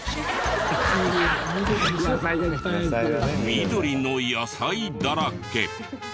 緑の野菜だらけ。